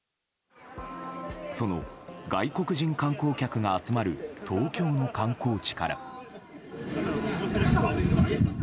その外国人観光客が集まる東京の観光地から。